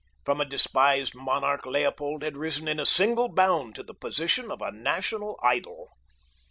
From a despised monarch Leopold had risen in a single bound to the position of a national idol.